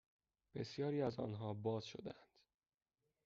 بسیاری از آنها باز شدهاند